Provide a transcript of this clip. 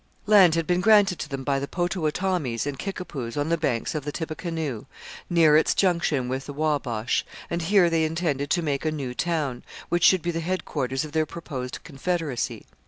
Land had been granted to them by the Potawatomis and Kickapoos on the banks of the Tippecanoe, near its junction with the Wabash, and here they intended to make a new town, which should be the headquarters of their proposed confederacy.